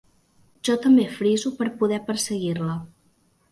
Jo també friso per poder perseguir-la.